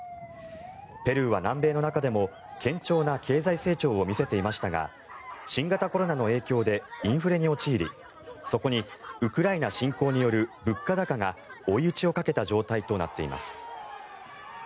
ペルーは南米の中でも堅調な経済成長を見せていましたが新型コロナの影響でインフレに陥りそこにウクライナ侵攻による物価高が追い打ちをかけた状態となっています。